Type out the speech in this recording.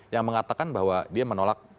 yang mengatakan bahwa dia menolak